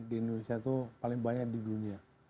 di indonesia itu paling banyak di dunia